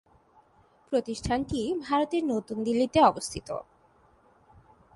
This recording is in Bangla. প্রতিষ্ঠানটি ভারতের নতুন দিল্লিতে অবস্থিত।